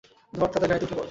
ধর তাদের -গাড়িতে উঠে পড়।